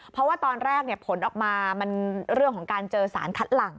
เพราะว่าตอนแรกผลออกมามันเรื่องของการเจอสารคัดหลัง